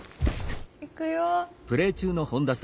いくよ。